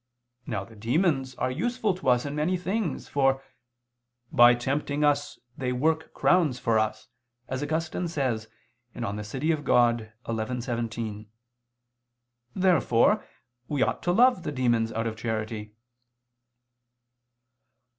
Now the demons are useful to us in many things, for "by tempting us they work crowns for us," as Augustine says (De Civ. Dei xi, 17). Therefore we ought to love the demons out of charity.